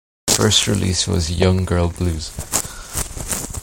Her first release was "Young Girl Blues".